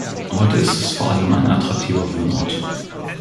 Heute ist es vor allem ein attraktiver Wohnort.